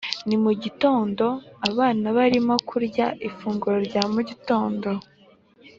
ni mu gitondo. abana barimo kurya ifunguro rya mu gitondo.